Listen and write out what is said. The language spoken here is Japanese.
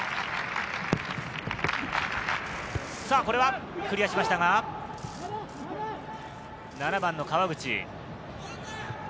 これはクリアしましたが、７番の川口。